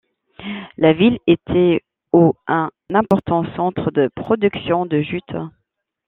La ville était au un important centre de production de jute.